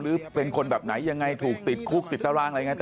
หรือเป็นคนแบบไหนยังไงถูกติดคุกติดตารางอะไรยังไง